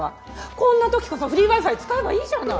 こんな時こそフリーＷｉＦｉ使えばいいじゃない。